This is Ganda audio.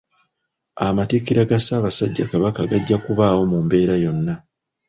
Amatikkira ga Ssaabasajja Kabaka gajja okubaawo mu mbeera yonna.